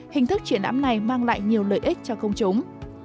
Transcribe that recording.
hình thức triển ám này mang lại nhiều lợi ích cho công chúng